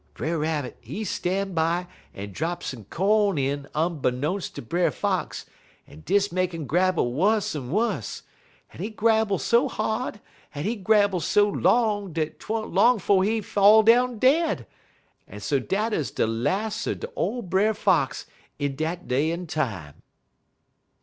"Brer Rabbit, he stan' by, un drop some co'n in onbeknowns' ter Brer Fox, un dis make 'im grabble wuss un wuss, un he grabble so hard un he grabble so long dat 't wa'n't long 'fo' he fall down dead, un so dat 'uz de las' er ole Brer Fox in dat day un time."